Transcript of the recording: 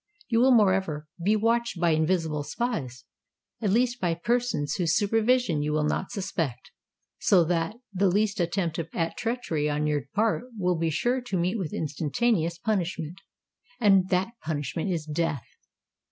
You will moreover be watched by invisible spies—at least by persons whose supervision you will not suspect; so that the least attempt at treachery on your part will be sure to meet with instantaneous punishment—and that punishment is death."